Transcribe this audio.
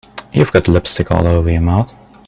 You've got lipstick all over your mouth.